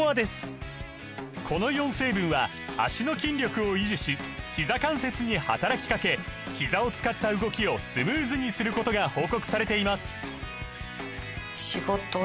この４成分は脚の筋力を維持しひざ関節に働きかけひざを使った動きをスムーズにすることが報告されています